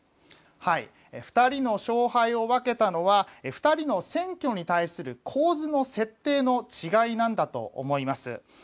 ２人の勝敗を分けたのは２人の選挙に対する構図の設定の違いなんだと思います。